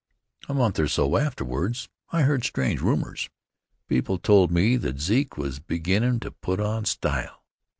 A month or so afterwards I heard strange rumors. People told me that Zeke was beginnin' to put on style.